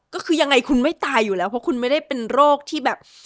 ก็คือยังไงคุณไม่ตายอยู่แล้วเพราะคุณไม่ได้เป็นโรคที่แบบ